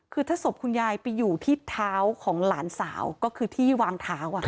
คือถ้าศพคุณยายไปอยู่ที่เท้าของหลานสาวก็คือที่วางเท้า